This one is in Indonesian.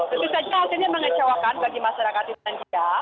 itu saja akhirnya mengecewakan bagi masyarakat islandia